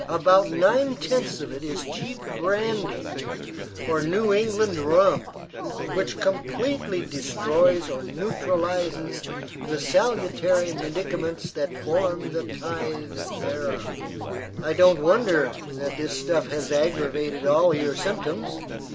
About nine tenths of it is cheap brandy, or New England rum, which completely destroys or neutralizes the salutary medicaments that form the tithe thereof. I don't wonder that this stuff has aggravated all your symptoms.